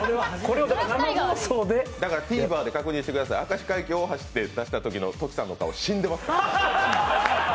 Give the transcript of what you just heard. だからＴＶｅｒで確認してください、明石海峡大橋って出したときトキさんの顔、死んでます。